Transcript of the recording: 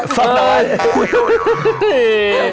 ซักหน่าย